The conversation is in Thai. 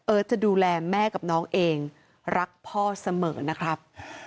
จะดูแลแม่กับน้องเองรักพ่อเสมอนะครับ